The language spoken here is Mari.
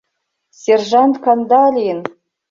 — Сержант Кандалин!